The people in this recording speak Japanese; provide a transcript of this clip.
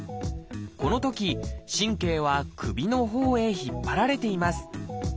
このとき神経は首のほうへ引っ張られています。